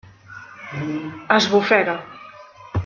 Esbufega.